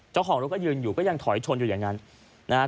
เจ้าของรถก็ยืนอยู่ก็ยังถอยชนอยู่อย่างนั้นนะครับ